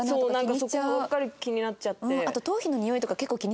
そこばっかり気になっちゃって。